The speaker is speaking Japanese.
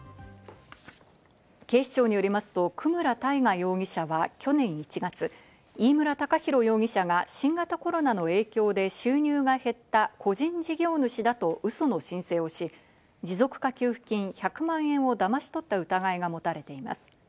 警視庁によりますと久村大賀容疑者は去年１月、飯村昂央容疑者が新型コロナの影響で収入が減った個人事業主だとウソの申請をし、持続化給付金１００万円をだまし取った疑いが持たれています。